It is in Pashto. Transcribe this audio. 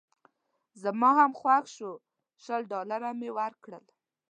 زما هم خوښ شو شل ډالره مې ورکړل.